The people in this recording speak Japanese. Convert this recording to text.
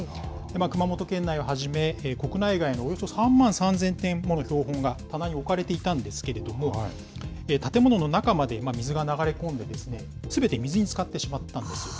熊本県内をはじめ、国内外のおよそ３万３０００点もの標本が棚に置かれていたんですけれども、建物の中まで水が流れ込んで、すべて水につかってしまったんです。